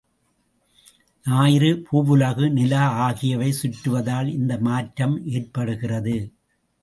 ஞாயிறு, பூவுலகு, நிலா ஆகியவை சுற்றுவதால் இந்த மாற்றம் ஏற்படுகிறது.